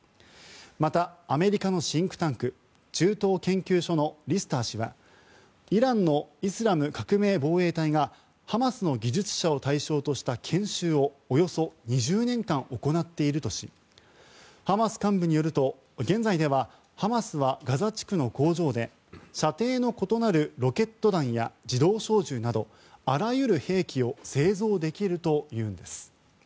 また、アメリカのシンクタンク中東研究所のリスター氏はイランのイスラム革命防衛隊がハマスの技術者を対象とした研修をおよそ２０年間行っているとしハマス幹部によると現在ではハマスはガザ地区の工場で射程の異なるロケット弾や自動小銃などあらゆる兵器を製造できるというんです。